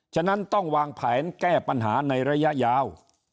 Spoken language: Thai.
ฉะนั้นต้องวางแผนแก้ปัญหาในระยะยาว